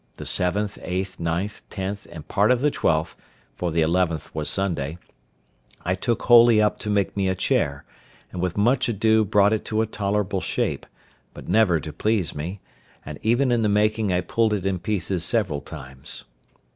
The 7th, 8th, 9th, 10th, and part of the 12th (for the 11th was Sunday) I took wholly up to make me a chair, and with much ado brought it to a tolerable shape, but never to please me; and even in the making I pulled it in pieces several times.